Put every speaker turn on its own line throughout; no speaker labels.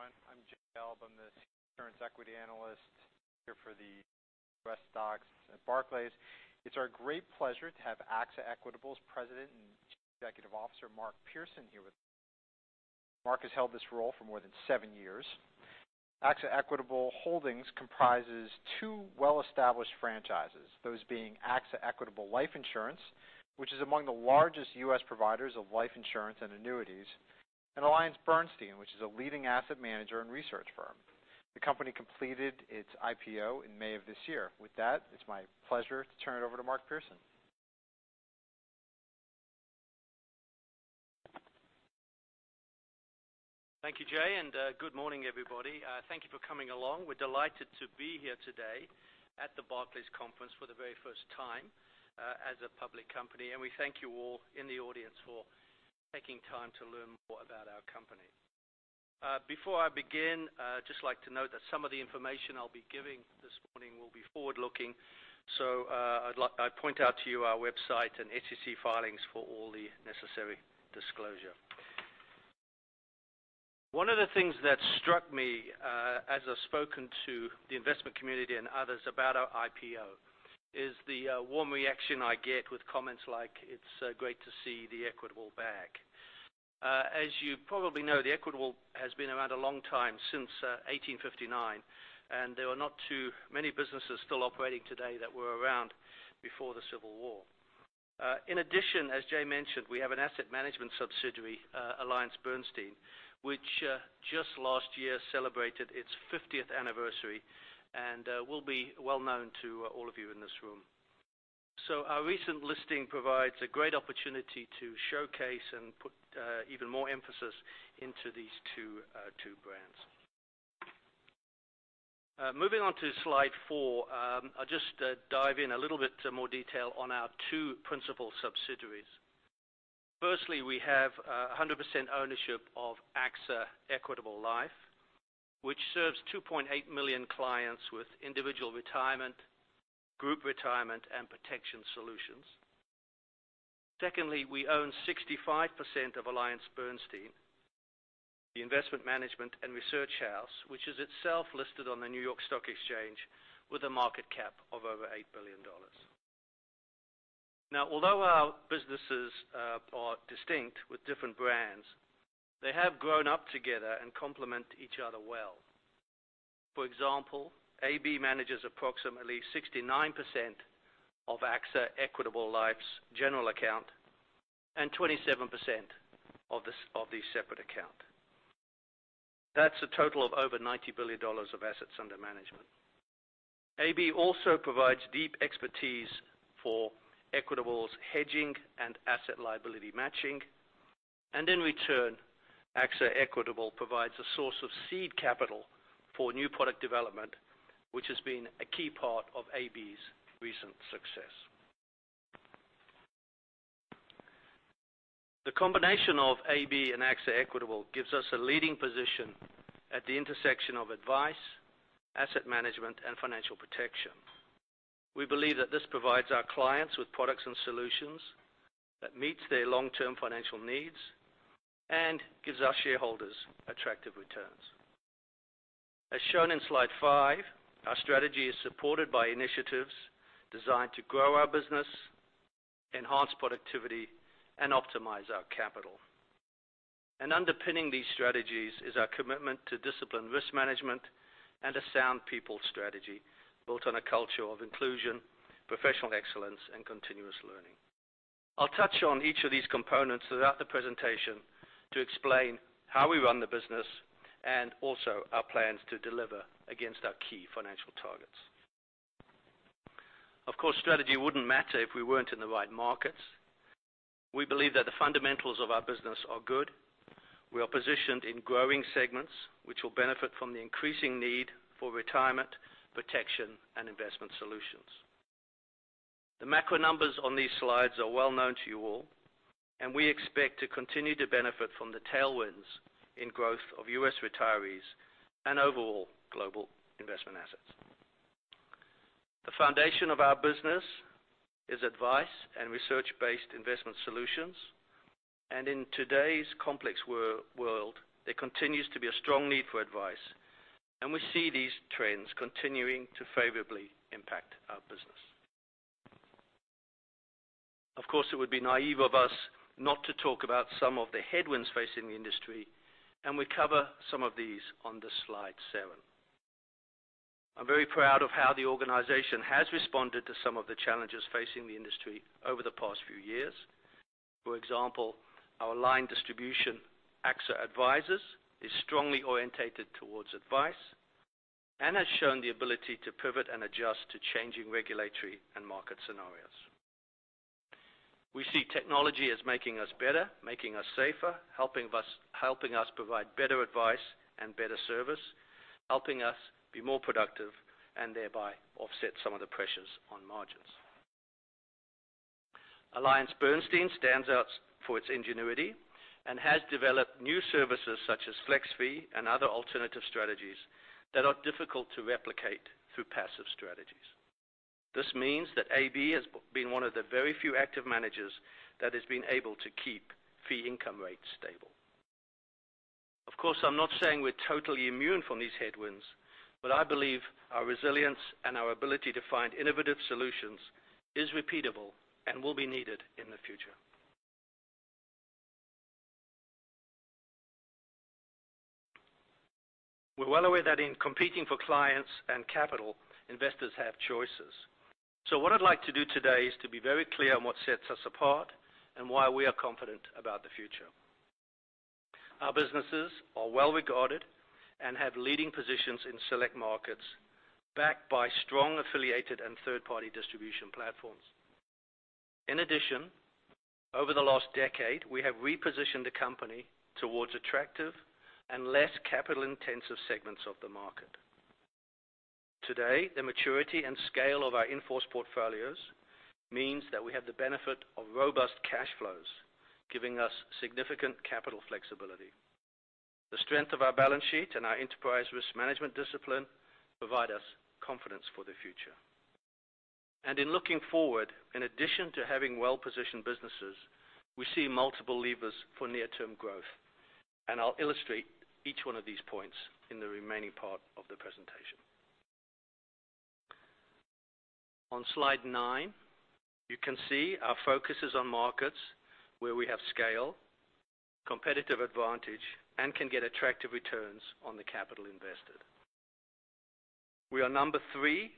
Morning, everyone. I'm Jay Gelb. I'm the insurance equity analyst here for the U.S. stocks at Barclays. It's our great pleasure to have AXA Equitable's President and Chief Executive Officer, Mark Pearson, here with us. Mark has held this role for more than seven years. AXA Equitable Holdings comprises two well-established franchises, those being AXA Equitable Life Insurance, which is among the largest U.S. providers of life insurance and annuities, and AllianceBernstein, which is a leading asset manager and research firm. The company completed its IPO in May of this year. With that, it's my pleasure to turn it over to Mark Pearson.
Thank you, Jay, and good morning, everybody. Thank you for coming along. We're delighted to be here today at the Barclays Conference for the very first time as a public company, and we thank you all in the audience for taking time to learn more about our company. Before I begin, I'd just like to note that some of the information I'll be giving this morning will be forward-looking. I point out to you our website and SEC filings for all the necessary disclosure. One of the things that struck me, as I've spoken to the investment community and others about our IPO, is the warm reaction I get with comments like, "It's great to see the Equitable back." As you probably know, Equitable has been around a long time, since 1859, and there are not too many businesses still operating today that were around before the Civil War. In addition, as Jay mentioned, we have an asset management subsidiary, AllianceBernstein, which just last year celebrated its 50th anniversary and will be well-known to all of you in this room. Our recent listing provides a great opportunity to showcase and put even more emphasis into these two brands. Moving on to slide four, I'll just dive in a little bit to more detail on our two principal subsidiaries. Firstly, we have 100% ownership of AXA Equitable Life, which serves 2.8 million clients with individual retirement, group retirement, and protection solutions. Secondly, we own 65% of AllianceBernstein, the investment management and research house, which is itself listed on the New York Stock Exchange with a market cap of over $8 billion. Although our businesses are distinct with different brands, they have grown up together and complement each other well. For example, AB manages approximately 69% of AXA Equitable Life's general account and 27% of the separate account. That's a total of over $90 billion of assets under management. AB also provides deep expertise for Equitable's hedging and asset liability matching, and in return, AXA Equitable provides a source of seed capital for new product development, which has been a key part of AB's recent success. The combination of AB and AXA Equitable gives us a leading position at the intersection of advice, asset management, and financial protection. We believe that this provides our clients with products and solutions that meet their long-term financial needs and gives our shareholders attractive returns. As shown in slide five, our strategy is supported by initiatives designed to grow our business, enhance productivity, and optimize our capital. Underpinning these strategies is our commitment to disciplined risk management and a sound people strategy built on a culture of inclusion, professional excellence, and continuous learning. I'll touch on each of these components throughout the presentation to explain how we run the business and also our plans to deliver against our key financial targets. Of course, strategy wouldn't matter if we weren't in the right markets. We believe that the fundamentals of our business are good. We are positioned in growing segments, which will benefit from the increasing need for retirement, protection, and investment solutions. The macro numbers on these slides are well known to you all. We expect to continue to benefit from the tailwinds in growth of U.S. retirees and overall global investment assets. The foundation of our business is advice and research-based investment solutions. In today's complex world, there continues to be a strong need for advice. We see these trends continuing to favorably impact our business. Of course, it would be naive of us not to talk about some of the headwinds facing the industry, and we cover some of these on slide seven. I'm very proud of how the organization has responded to some of the challenges facing the industry over the past few years. For example, our line distribution, AXA Advisors, is strongly orientated towards advice and has shown the ability to pivot and adjust to changing regulatory and market scenarios. We see technology as making us better, making us safer, helping us provide better advice and better service, helping us be more productive, and thereby offset some of the pressures on margins. AllianceBernstein stands out for its ingenuity and has developed new services such as AB FlexFee and other alternative strategies that are difficult to replicate through passive strategies. This means that AB has been one of the very few active managers that has been able to keep fee income rates stable. Of course, I'm not saying we're totally immune from these headwinds. I believe our resilience and our ability to find innovative solutions is repeatable and will be needed in the future. We're well aware that in competing for clients and capital, investors have choices. What I'd like to do today is to be very clear on what sets us apart and why we are confident about the future. Our businesses are well-regarded and have leading positions in select markets, backed by strong affiliated and third-party distribution platforms. In addition, over the last decade, we have repositioned the company towards attractive and less capital-intensive segments of the market. Today, the maturity and scale of our in-force portfolios means that we have the benefit of robust cash flows, giving us significant capital flexibility. The strength of our balance sheet and our enterprise risk management discipline provide us confidence for the future. In looking forward, in addition to having well-positioned businesses, we see multiple levers for near-term growth. I'll illustrate each one of these points in the remaining part of the presentation. On slide nine, you can see our focus is on markets where we have scale, competitive advantage, and can get attractive returns on the capital invested. We are number three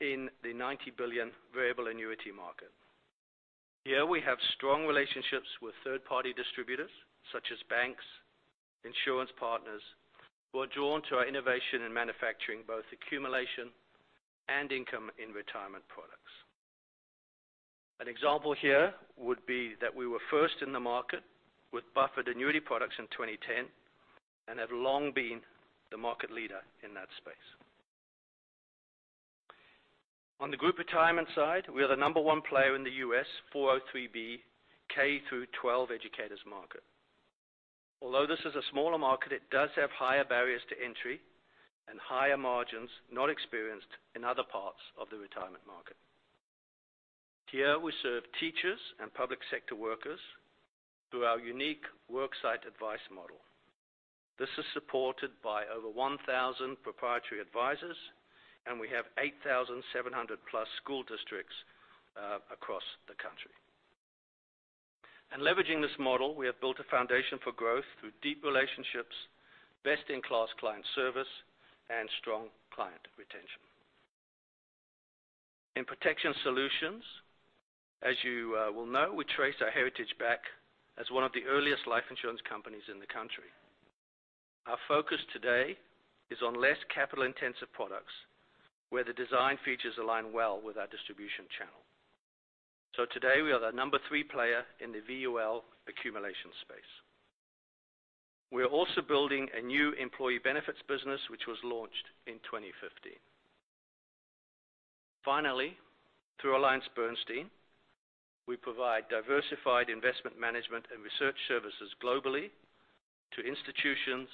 in the $90 billion variable annuity market. Here, we have strong relationships with third-party distributors, such as banks, insurance partners, who are drawn to our innovation in manufacturing both accumulation and income in retirement products. An example here would be that we were first in the market with buffered annuity products in 2010 and have long been the market leader in that space. On the group retirement side, we are the number one player in the U.S., 403(b) K-12 educators market. Although this is a smaller market, it does have higher barriers to entry and higher margins not experienced in other parts of the retirement market. Here, we serve teachers and public sector workers through our unique work site advice model. This is supported by over 1,000 proprietary advisors, and we have 8,700-plus school districts across the country. In leveraging this model, we have built a foundation for growth through deep relationships, best-in-class client service, and strong client retention. In Protection Solutions, as you will know, we trace our heritage back as one of the earliest life insurance companies in the country. Our focus today is on less capital intensive products where the design features align well with our distribution channel. Today, we are the number three player in the VUL accumulation space. We are also building a new employee benefits business which was launched in 2015. Finally, through AllianceBernstein, we provide diversified investment management and research services globally to institutions,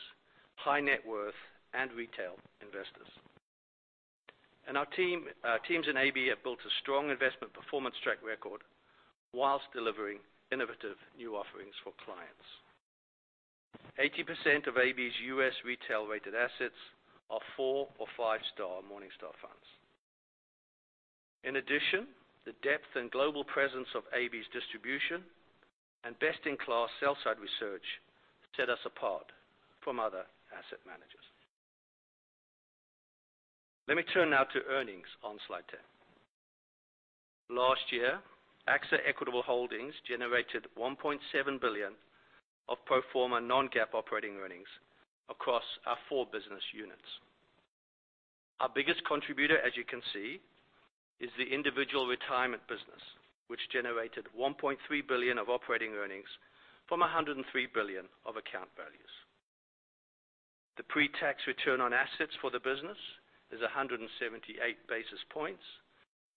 high net worth, and retail investors. Our teams in AB have built a strong investment performance track record whilst delivering innovative new offerings for clients. 80% of AB's U.S. retail-rated assets are 4 or 5-star Morningstar funds. In addition, the depth and global presence of AB's distribution and best-in-class sell side research set us apart from other asset managers. Let me turn now to earnings on slide 10. Last year, AXA Equitable Holdings generated $1.7 billion of pro forma non-GAAP operating earnings across our four business units. Our biggest contributor, as you can see, is the individual retirement business, which generated $1.3 billion of operating earnings from $103 billion of account values. The pre-tax return on assets for the business is 178 basis points,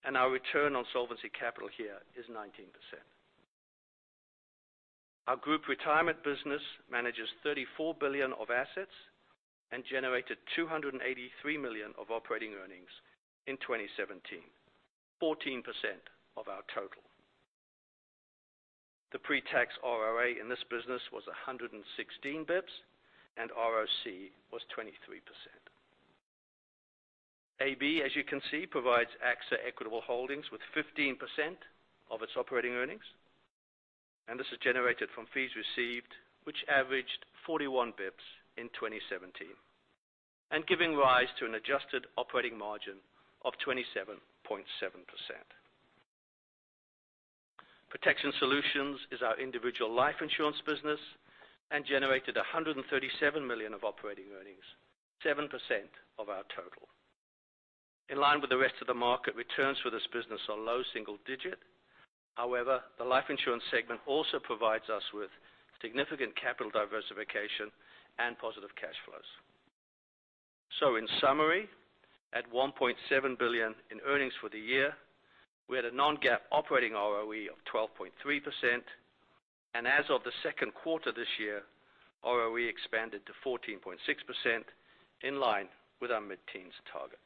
and our return on solvency capital here is 19%. Our group retirement business manages $34 billion of assets and generated $283 million of operating earnings in 2017, 14% of our total. The pre-tax ROA in this business was 116 basis points, and ROC was 23%. AB, as you can see, provides AXA Equitable Holdings with 15% of its operating earnings, and this is generated from fees received, which averaged 41 basis points in 2017, and giving rise to an adjusted operating margin of 27.7%. Protection Solutions is our individual life insurance business and generated $137 million of operating earnings, 7% of our total. In line with the rest of the market, returns for this business are low single digit. However, the life insurance segment also provides us with significant capital diversification and positive cash flows. In summary, at $1.7 billion in earnings for the year, we had a non-GAAP operating ROE of 12.3%. As of the second quarter this year, ROE expanded to 14.6%, in line with our mid-teens target.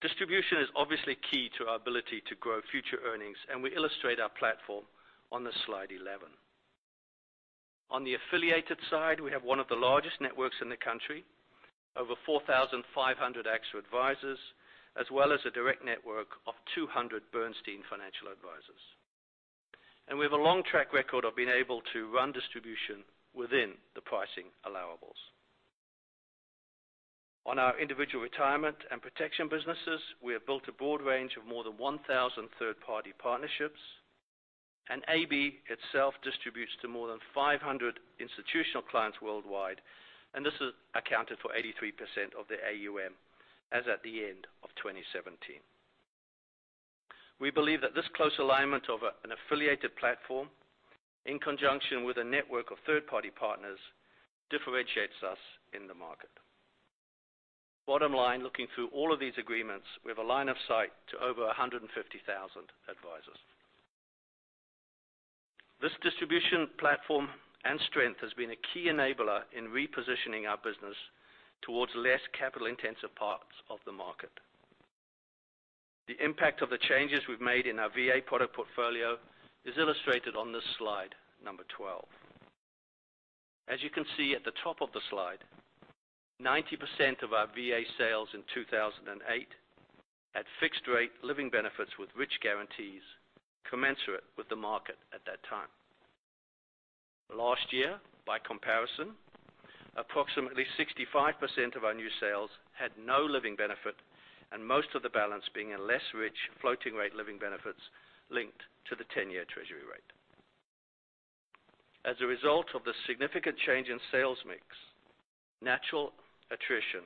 Distribution is obviously key to our ability to grow future earnings, and we illustrate our platform on slide 11. On the affiliated side, we have one of the largest networks in the country, over 4,500 AXA Advisors, as well as a direct network of 200 Bernstein financial advisors. We have a long track record of being able to run distribution within the pricing allowables. On our individual retirement and protection businesses, we have built a broad range of more than 1,000 third-party partnerships, and AB itself distributes to more than 500 institutional clients worldwide, and this accounted for 83% of the AUM as at the end of 2017. We believe that this close alignment of an affiliated platform, in conjunction with a network of third-party partners, differentiates us in the market. Bottom line, looking through all of these agreements, we have a line of sight to over 150,000 advisors. This distribution platform and strength has been a key enabler in repositioning our business towards less capital-intensive parts of the market. The impact of the changes we've made in our VA product portfolio is illustrated on this slide number 12. As you can see at the top of the slide, 90% of our VA sales in 2008 had fixed rate living benefits with rich guarantees commensurate with the market at that time. Last year, by comparison, approximately 65% of our new sales had no living benefit, and most of the balance being a less rich floating rate living benefits linked to the 10-year treasury rate. As a result of the significant change in sales mix, natural attrition,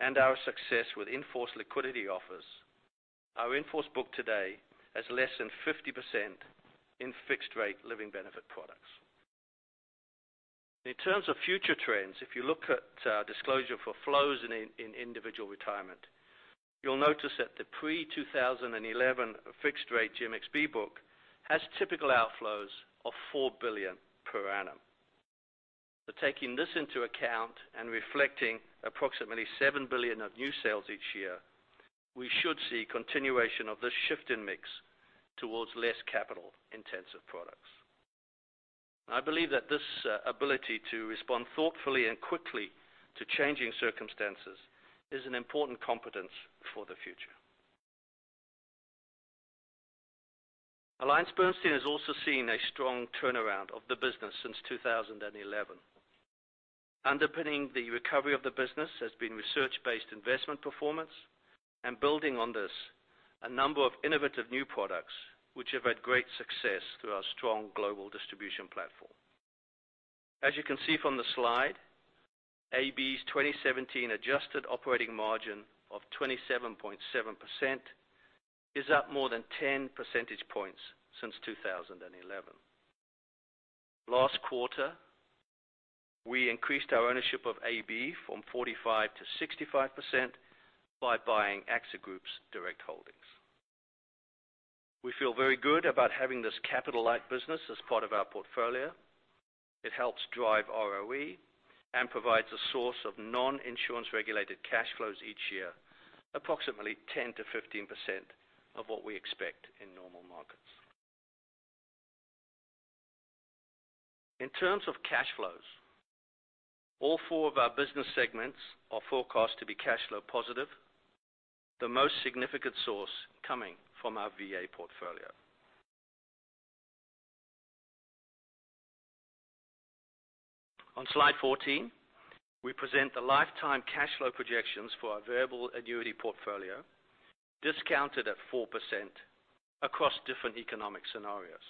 and our success with in-force liquidity offers, our in-force book today has less than 50% in fixed rate living benefit products. In terms of future trends, if you look at disclosure for flows in individual retirement, you'll notice that the pre-2011 fixed rate GMXB book has typical outflows of $4 billion per annum. Taking this into account and reflecting approximately $7 billion of new sales each year, we should see continuation of this shift in mix towards less capital-intensive products. I believe that this ability to respond thoughtfully and quickly to changing circumstances is an important competence for the future. AllianceBernstein has also seen a strong turnaround of the business since 2011. Underpinning the recovery of the business has been research-based investment performance, and building on this, a number of innovative new products which have had great success through our strong global distribution platform. As you can see from the slide, AB's 2017 adjusted operating margin of 27.7% is up more than 10 percentage points since 2011. Last quarter, we increased our ownership of AB from 45% to 65% by buying AXA Group's direct holdings. We feel very good about having this capital-light business as part of our portfolio. It helps drive ROE and provides a source of non-insurance regulated cash flows each year, approximately 10% to 15% of what we expect in normal markets. In terms of cash flows, all four of our business segments are forecast to be cash flow positive, the most significant source coming from our VA portfolio. On slide 14, we present the lifetime cash flow projections for our variable annuity portfolio, discounted at 4% across different economic scenarios.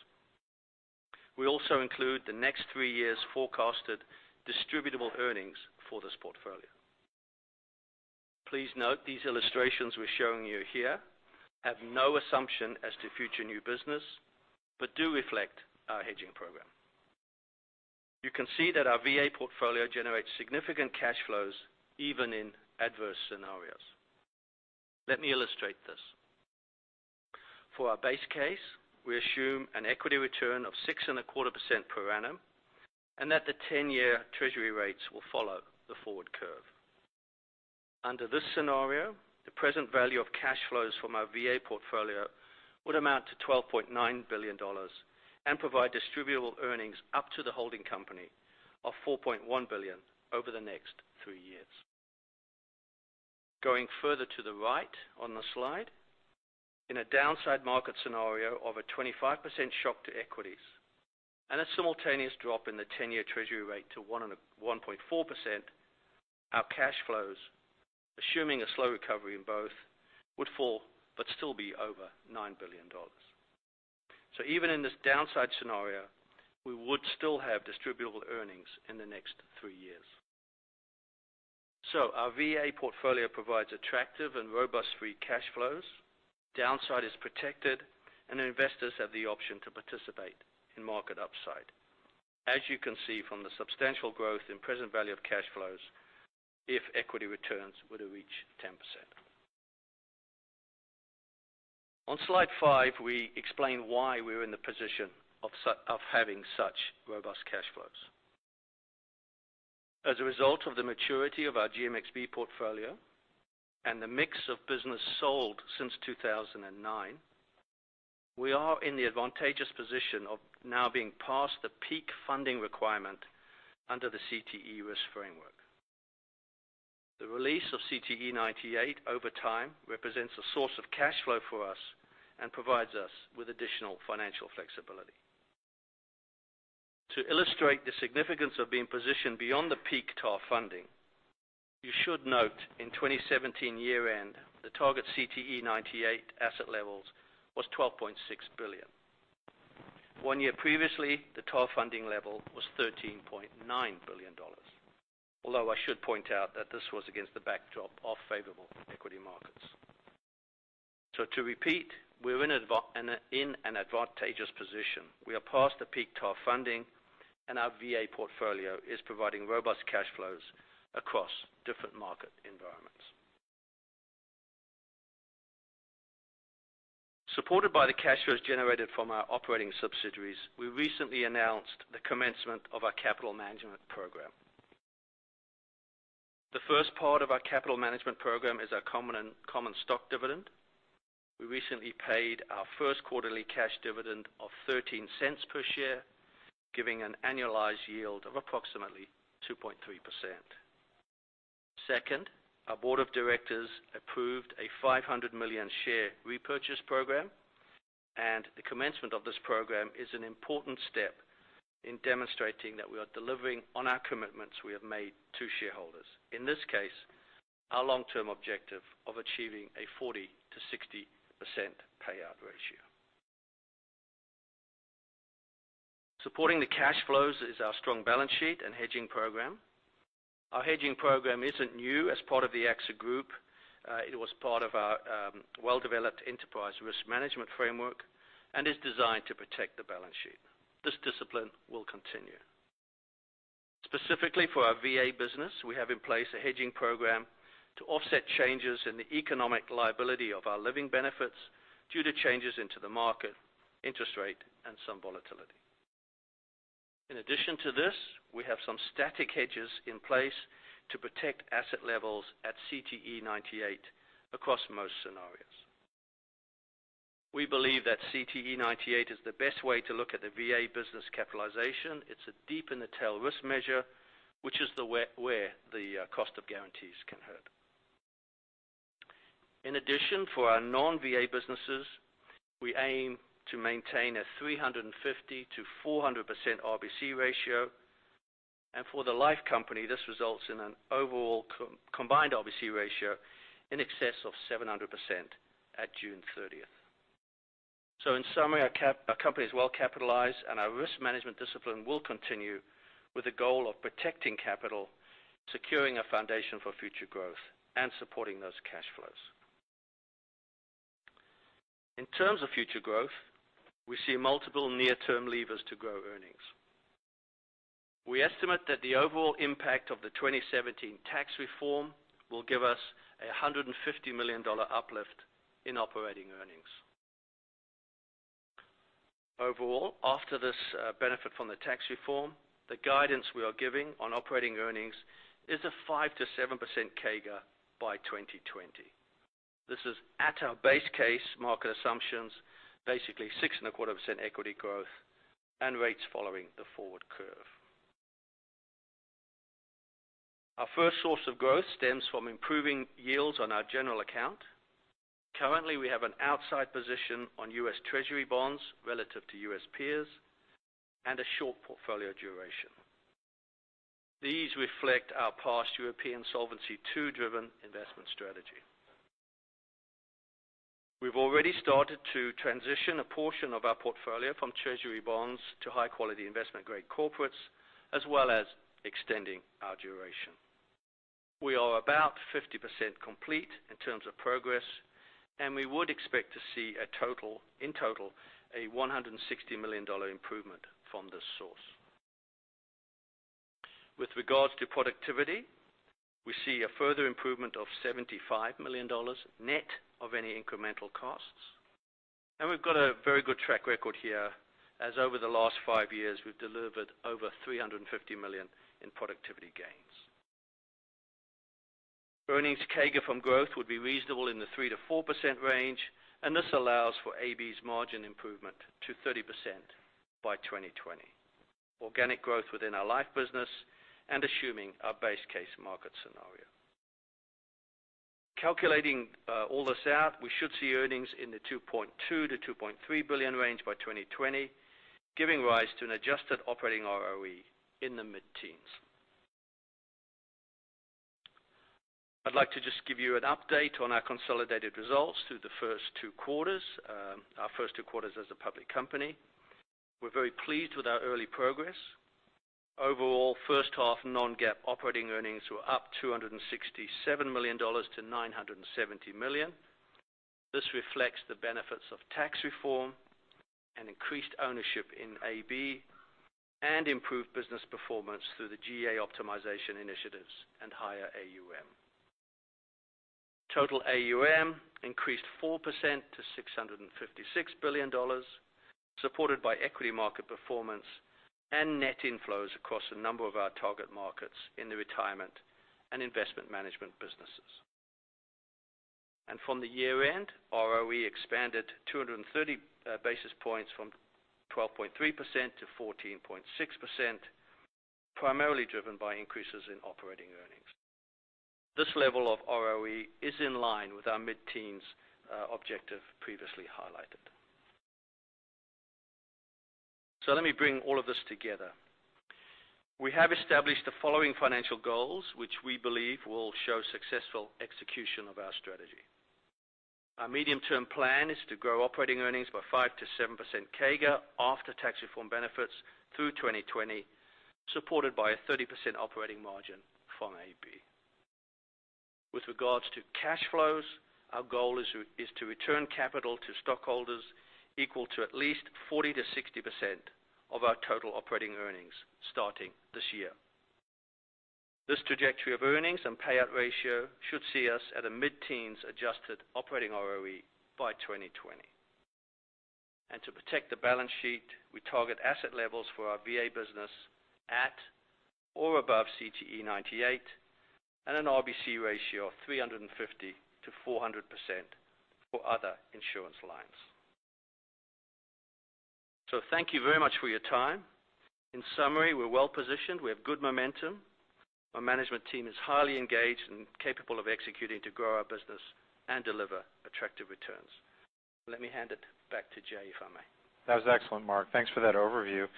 We also include the next three years forecasted distributable earnings for this portfolio. Please note these illustrations we're showing you here have no assumption as to future new business, but do reflect our hedging program. You can see that our VA portfolio generates significant cash flows even in adverse scenarios. Let me illustrate this. For our base case, we assume an equity return of six and a quarter percent per annum, and that the 10-year treasury rates will follow the forward curve. Under this scenario, the present value of cash flows from our VA portfolio would amount to $12.9 billion and provide distributable earnings up to the holding company of $4.1 billion over the next three years. Going further to the right on the slide, in a downside market scenario of a 25% shock to equities and a simultaneous drop in the 10-year treasury rate to 1.4%, our cash flows, assuming a slow recovery in both, would fall but still be over $9 billion. Even in this downside scenario, we would still have distributable earnings in the next three years. Our VA portfolio provides attractive and robust free cash flows. Downside is protected, and investors have the option to participate in market upside. As you can see from the substantial growth in present value of cash flows if equity returns were to reach 10%. On slide five, we explain why we are in the position of having such robust cash flows. As a result of the maturity of our GMXB portfolio and the mix of business sold since 2009, we are in the advantageous position of now being past the peak funding requirement under the CTE risk framework. The release of CTE98 over time represents a source of cash flow for us and provides us with additional financial flexibility. To illustrate the significance of being positioned beyond the peak TAR funding, you should note, in 2017 year-end, the target CTE98 asset levels was $12.6 billion. One year previously, the TAR funding level was $13.9 billion. Although I should point out that this was against the backdrop of favorable equity markets. To repeat, we're in an advantageous position. We are past the peak TAR funding, and our VA portfolio is providing robust cash flows across different market environments. Supported by the cash flows generated from our operating subsidiaries, we recently announced the commencement of our capital management program. The first part of our capital management program is our common stock dividend. We recently paid our first quarterly cash dividend of $0.13 per share, giving an annualized yield of approximately 2.3%. Second, our board of directors approved a 500 million share repurchase program, the commencement of this program is an important step in demonstrating that we are delivering on our commitments we have made to shareholders. In this case, our long-term objective of achieving a 40%-60% payout ratio. Supporting the cash flows is our strong balance sheet and hedging program. Our hedging program isn't new as part of the AXA Group. It was part of our well-developed enterprise risk management framework and is designed to protect the balance sheet. This discipline will continue. Specifically for our VA business, we have in place a hedging program to offset changes in the economic liability of our living benefits due to changes into the market, interest rate, and some volatility. In addition to this, we have some static hedges in place to protect asset levels at CTE98 across most scenarios. We believe that CTE98 is the best way to look at the VA business capitalization. It's a deep in-the-tail risk measure, which is where the cost of guarantees can hurt. In addition, for our non-VA businesses, we aim to maintain a 350%-400% RBC ratio. For the life company, this results in an overall combined RBC ratio in excess of 700% at June 30th. In summary, our company is well capitalized, and our risk management discipline will continue with the goal of protecting capital, securing a foundation for future growth, and supporting those cash flows. In terms of future growth, we see multiple near-term levers to grow earnings. We estimate that the overall impact of the 2017 tax reform will give us a $150 million uplift in operating earnings. Overall, after this benefit from the tax reform, the guidance we are giving on operating earnings is a 5%-7% CAGR by 2020. This is at our base case market assumptions, basically 6.25% equity growth and rates following the forward curve. Our first source of growth stems from improving yields on our general account. Currently, we have an outside position on U.S. Treasury bonds relative to U.S. peers and a short portfolio duration. These reflect our past European Solvency II driven investment strategy. We've already started to transition a portion of our portfolio from Treasury bonds to high-quality investment grade corporates, as well as extending our duration. We are about 50% complete in terms of progress, and we would expect to see in total, a $160 million improvement from this source. With regards to productivity, we see a further improvement of $75 million net of any incremental costs. We've got a very good track record here, as over the last five years we've delivered over $350 million in productivity gains. Earnings CAGR from growth would be reasonable in the 3%-4% range, and this allows for AB's margin improvement to 30% by 2020. Organic growth within our life business and assuming our base case market scenario. Calculating all this out, we should see earnings in the $2.2 billion-$2.3 billion range by 2020, giving rise to an adjusted operating ROE in the mid-teens. I'd like to just give you an update on our consolidated results through the first two quarters, our first two quarters as a public company. We're very pleased with our early progress. Overall, first half non-GAAP operating earnings were up $267 million-$970 million. This reflects the benefits of tax reform and increased ownership in AB and improved business performance through the GA optimization initiatives and higher AUM. Total AUM increased 4% to $656 billion, supported by equity market performance and net inflows across a number of our target markets in the retirement and investment management businesses. From the year-end, ROE expanded 230 basis points from 12.3%-14.6%, primarily driven by increases in operating earnings. This level of ROE is in line with our mid-teens objective previously highlighted. Let me bring all of this together. We have established the following financial goals, which we believe will show successful execution of our strategy. Our medium-term plan is to grow operating earnings by 5%-7% CAGR after tax reform benefits through 2020, supported by a 30% operating margin from AB. With regards to cash flows, our goal is to return capital to stockholders equal to at least 40%-60% of our total operating earnings starting this year. This trajectory of earnings and payout ratio should see us at a mid-teens adjusted operating ROE by 2020. To protect the balance sheet, we target asset levels for our VA business at or above CTE98 and an RBC ratio of 350%-400% for other insurance lines. Thank you very much for your time. In summary, we're well-positioned. We have good momentum. Our management team is highly engaged and capable of executing to grow our business and deliver attractive returns. Let me hand it back to Jay, if I may.
That was excellent, Mark. Thanks for that overview.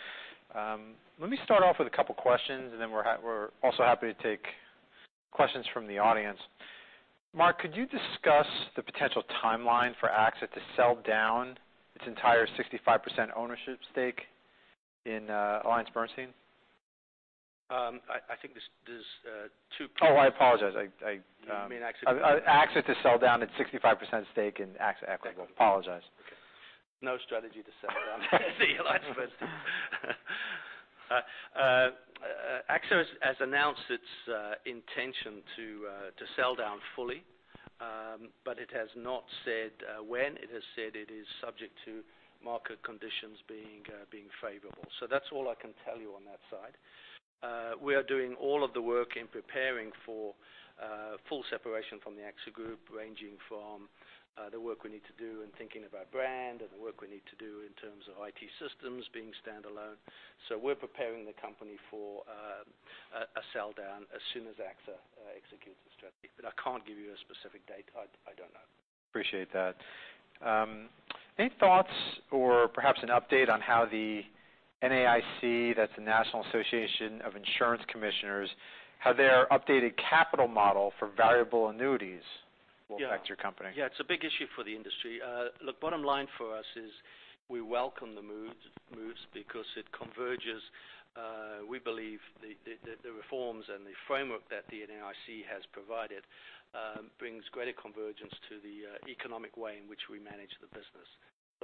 Let me start off with a couple questions, and then we're also happy to take questions from the audience. Mark, could you discuss the potential timeline for AXA to sell down its entire 65% ownership stake in AllianceBernstein?
I think there's two pieces.
Oh, I apologize.
You mean AXA-
AXA to sell down its 65% stake in AXA Equitable.
Equitable.
Apologize.
Okay. No strategy to sell down the AllianceBernstein. AXA has announced its intention to sell down fully, but it has not said when. It has said it is subject to market conditions being favorable. That's all I can tell you on that side. We are doing all of the work in preparing for full separation from the AXA Group, ranging from the work we need to do in thinking of our brand and the work we need to do in terms of IT systems being standalone. We're preparing the company for a sell-down as soon as AXA executes the strategy. I can't give you a specific date. I don't know.
Appreciate that. Any thoughts or perhaps an update on how the NAIC, that's the National Association of Insurance Commissioners, how their updated capital model for variable annuities will affect your company?
Yeah. It's a big issue for the industry. Look, bottom line for us is we welcome the moves because it converges. We believe the reforms and the framework that the NAIC has provided brings greater convergence to the economic way in which we manage the business.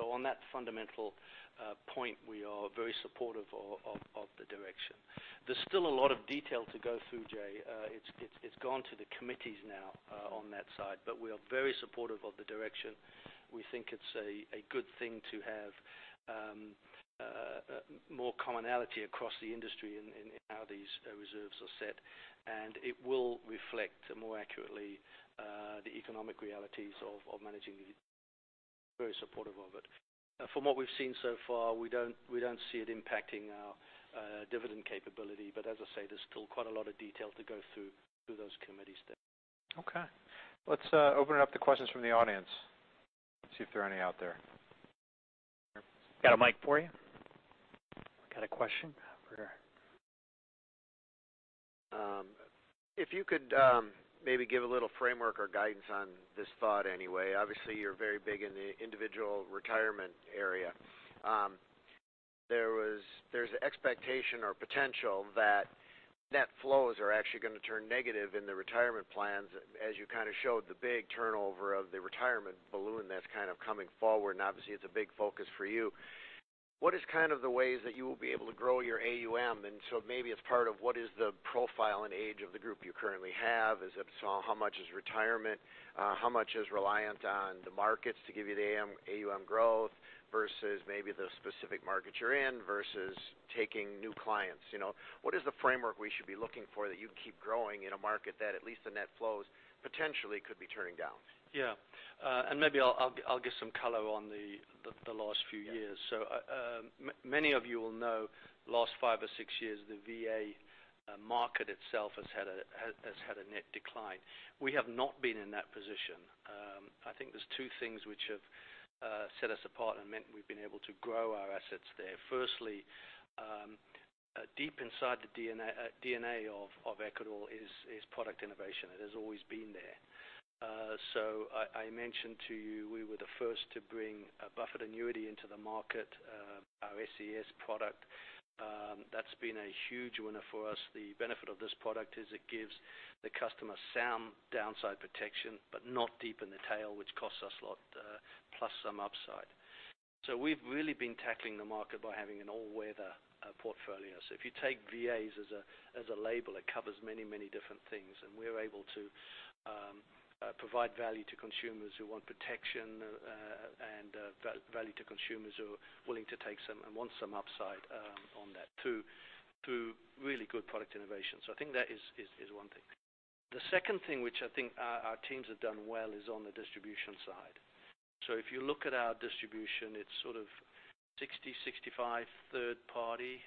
On that fundamental point, we are very supportive of the direction. There's still a lot of detail to go through, Jay. It's gone to the committees now on that side, but we are very supportive of the direction. We think it's a good thing to have more commonality across the industry in how these reserves are set, and it will reflect more accurately the economic realities of managing these. Very supportive of it. From what we've seen so far, we don't see it impacting our dividend capability, but as I say, there's still quite a lot of detail to go through those committees there.
Okay. Let's open it up to questions from the audience. Let's see if there are any out there.
Got a mic for you. Got a question? Over here.
If you could maybe give a little framework or guidance on this thought anyway. Obviously, you're very big in the individual retirement area. There's expectation or potential that net flows are actually going to turn negative in the retirement plans as you showed the big turnover of the retirement balloon that's coming forward, obviously, it's a big focus for you. What is the ways that you will be able to grow your AUM? Maybe as part of what is the profile and age of the group you currently have? How much is retirement? How much is reliant on the markets to give you the AUM growth versus maybe the specific market you're in versus taking new clients? What is the framework we should be looking for that you keep growing in a market that at least the net flows potentially could be turning down?
Yeah. Maybe I'll give some color on the last few years.
Yeah.
Many of you will know, last five or six years, the VA market itself has had a net decline. We have not been in that position. I think there's two things which have set us apart and meant we've been able to grow our assets there. Firstly, deep inside the DNA of Equitable is product innovation. It has always been there. I mentioned to you we were the first to bring a buffered annuity into the market. Our SCS product. That's been a huge winner for us. The benefit of this product is it gives the customer sound downside protection, not deep in the tail, which costs us a lot, plus some upside. We've really been tackling the market by having an all-weather portfolio. If you take VAs as a label, it covers many different things, we're able to provide value to consumers who want protection, value to consumers who are willing to take some, want some upside on that, through really good product innovation. I think that is one thing. The second thing which I think our teams have done well is on the distribution side. If you look at our distribution, it's sort of 60, 65 third party,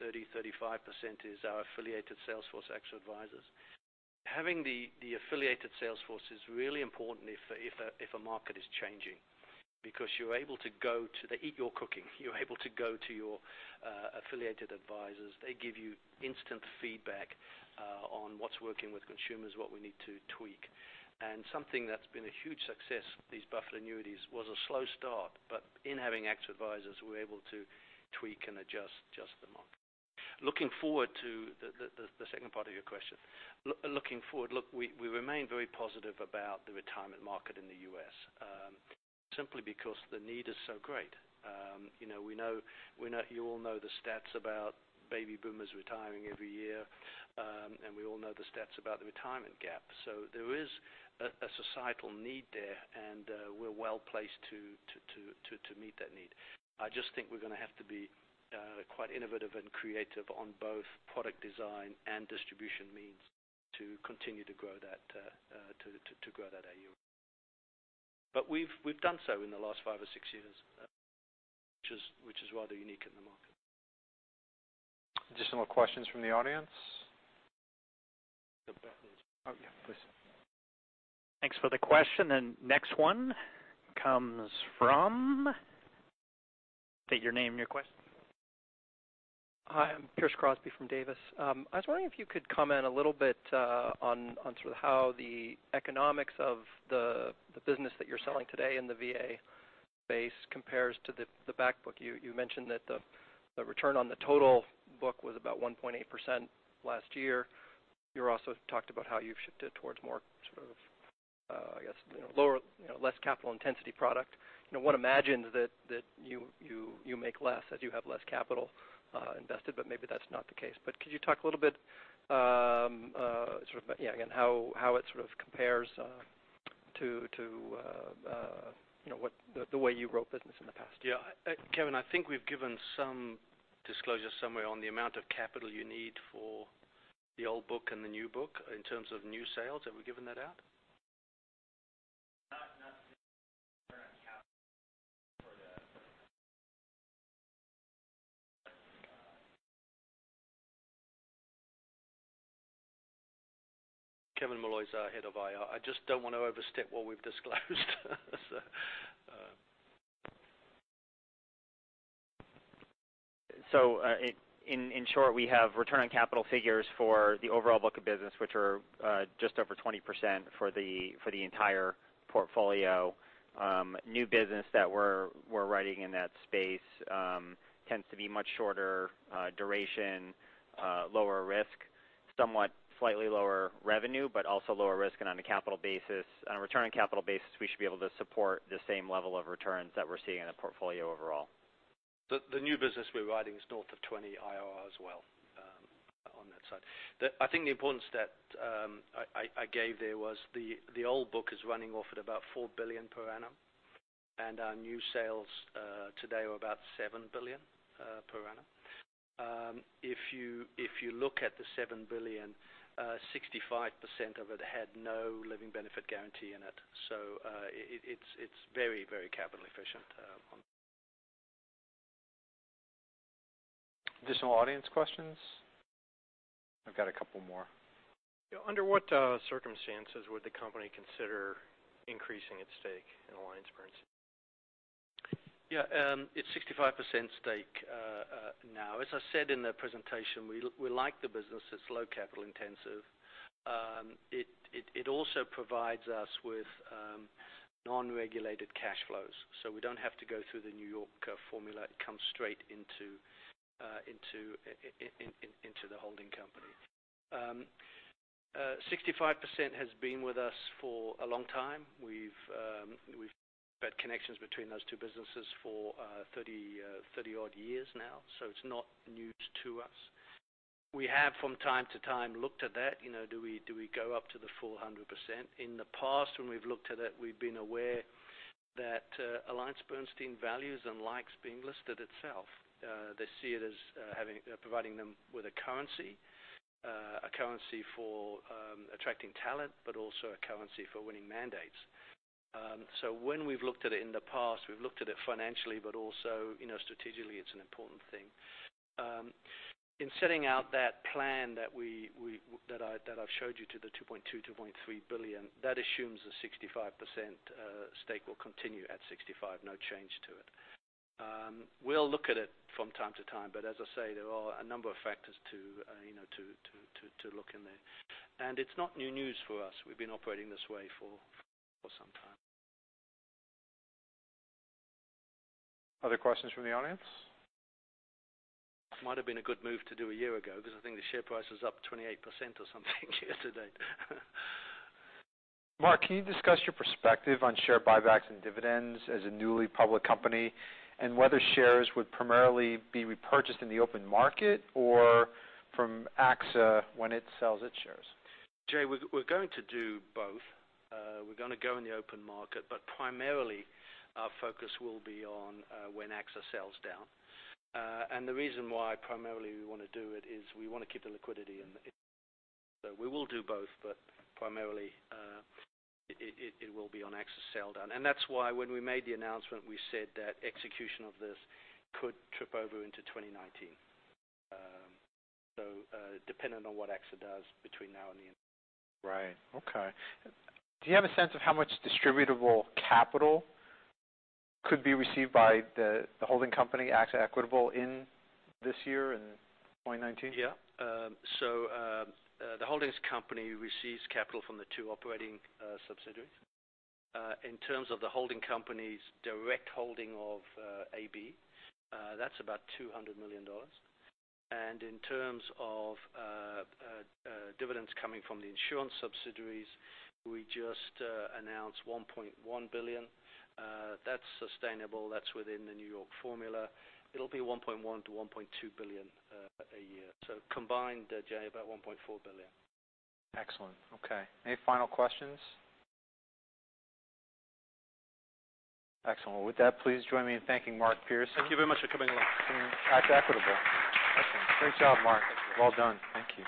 30, 35% is our affiliated sales force, Equitable Advisors. Having the affiliated sales force is really important if a market is changing, because they eat your cooking. You're able to go to your affiliated advisors. They give you instant feedback on what's working with consumers, what we need to tweak. Something that's been a huge success, these buffered annuities, was a slow start. In having Equitable Advisors, we were able to tweak and adjust the market. Looking forward to the second part of your question. Looking forward, look, we remain very positive about the retirement market in the U.S. Simply because the need is so great. You all know the stats about baby boomers retiring every year. We all know the stats about the retirement gap. There is a societal need there, we're well placed to meet that need. I just think we're going to have to be quite innovative and creative on both product design and distribution means to continue to grow that AUM. We've done so in the last five or six years, which is rather unique in the market.
Additional questions from the audience?
Yeah, please.
Thanks for the question. Next one comes from State your name and your question.
Hi, I'm Pierce Crosby from Davis Advisors. I was wondering if you could comment a little bit on sort of how the economics of the business that you're selling today in the VA space compares to the back book. You mentioned that the return on the total book was about 1.8% last year. You also talked about how you've shifted towards more sort of lower, less capital intensity product. One imagines that you make less as you have less capital invested, but maybe that's not the case. Could you talk a little bit again, how it sort of compares to the way you wrote business in the past?
Yeah. Kevin, I think we've given some disclosure somewhere on the amount of capital you need for the old book and the new book in terms of new sales. Have we given that out?
Not return on capital for that.
Kevin Molloy is our head of IR. I just don't want to overstep what we've disclosed.
In short, we have return on capital figures for the overall book of business, which are just over 20% for the entire portfolio. New business that we're writing in that space tends to be much shorter duration, lower risk, somewhat slightly lower revenue, but also lower risk. On a return on capital basis, we should be able to support the same level of returns that we're seeing in the portfolio overall.
The new business we're writing is north of 20 IRR as well on that side. I think the important stat I gave there was the old book is running off at about $4 billion per annum, our new sales today are about $7 billion per annum. If you look at the $7 billion, 65% of it had no living benefit guarantee in it. It's very capital efficient.
Additional audience questions? I've got a couple more.
Under what circumstances would the company consider increasing its stake in AllianceBernstein?
Yeah. It's 65% stake now. As I said in the presentation, we like the business. It's low capital intensive. It also provides us with non-regulated cash flows, so we don't have to go through the New York formula. It comes straight into the holding company. 65% has been with us for a long time. We've had connections between those two businesses for 30 odd years now, so it's not news to us. We have from time to time looked at that. Do we go up to the full 100%? In the past, when we've looked at it, we've been aware that AllianceBernstein values and likes being listed itself. They see it as providing them with a currency. A currency for attracting talent, but also a currency for winning mandates. When we've looked at it in the past, we've looked at it financially, but also strategically it's an important thing. In setting out that plan that I've showed you to the $2.2 billion, $2.3 billion, that assumes the 65% stake will continue at 65%, no change to it. We'll look at it from time to time, but as I say, there are a number of factors to look in there. It's not new news for us. We've been operating this way for some time.
Other questions from the audience?
Might have been a good move to do a year ago because I think the share price was up 28% or something yesterday.
Mark, can you discuss your perspective on share buybacks and dividends as a newly public company, and whether shares would primarily be repurchased in the open market or from AXA when it sells its shares?
Jay, we're going to do both. We're going to go in the open market, but primarily our focus will be on when AXA sells down. The reason why primarily we want to do it is we want to keep the liquidity in the system. We will do both, but primarily it will be on AXA's sell down. That's why when we made the announcement, we said that execution of this could trip over into 2019. Dependent on what AXA does between now and the end of the year.
Right. Okay. Do you have a sense of how much distributable capital could be received by the holding company, AXA Equitable, in this year, in 2019?
The Holdings company receives capital from the two operating subsidiaries. In terms of the holding company's direct holding of AB, that's about $200 million. In terms of dividends coming from the insurance subsidiaries, we just announced $1.1 billion. That's sustainable. That's within the New York formula. It'll be $1.1 billion-$1.2 billion a year. Combined, Jay, about $1.4 billion.
Excellent. Any final questions? Excellent. With that, please join me in thanking Mark Pearson-
Thank you very much for coming along
from AXA Equitable. Excellent. Great job, Mark.
Thank you.
Well done. Thank you.